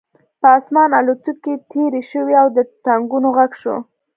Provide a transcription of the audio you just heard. په آسمان الوتکې تېرې شوې او د ټانکونو غږ شو